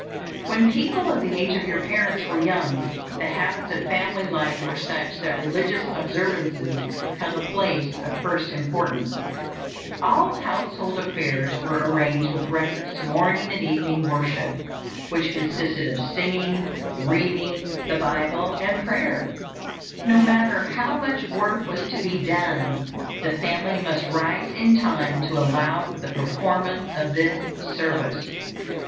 When people of the age of your parents were young, the habits of family life were such that religious observances held a place of first importance. All household affairs were arranged with reference to morning and evening worship, which consisted of singing, reading the Bible, and prayer. No matter how much work was to be done, the family must rise in time to allow for the performance of this service.